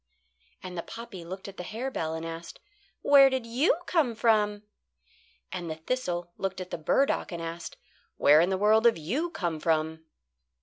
And the poppy looked at the harebell and asked: "Where did you come from?" And the thistle looked at the burdock and asked: "Where in the world have you come from?"